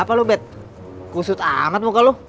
apa lu bet kusut banget muka lu